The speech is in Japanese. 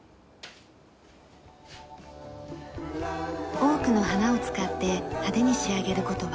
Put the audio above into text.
多くの花を使って派手に仕上げる事はしません。